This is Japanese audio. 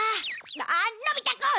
ああのび太くん！